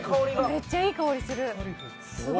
めっちゃいい香りするすご！